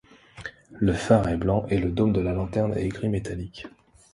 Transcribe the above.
Le phare est blanc et le dôme de la lanterne est gris métallique.